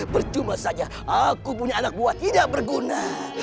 percuma saja aku punya anak buah tidak berguna